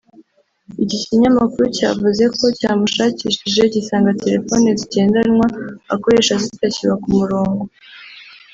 iki kinyamakuru cyavuze ko cyamushakishije gisanga telefone zigendanwa akoresha zitakiba ku murongo